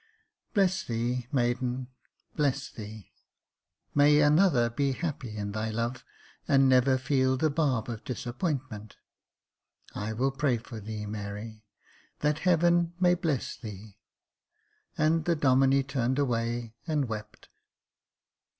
Bless thee, maiden, bless thee ! May another be happy in thy love, and never feel the barb of disappointment. I will pray for thee, Mary — that Heaven may bless thee." And the Domine turned away and wept.